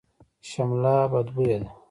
شمله بدبویه ده.